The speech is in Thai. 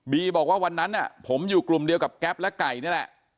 บอกว่าวันนั้นผมอยู่กลุ่มเดียวกับแก๊ปและไก่นี่แหละ